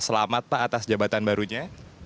selamat pak atas jabatan barunya